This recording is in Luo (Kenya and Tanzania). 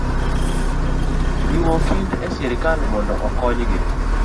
riwo kend e sirkal mondo okonygi.